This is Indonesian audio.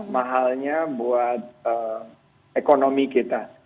mahalnya buat ekonomi kita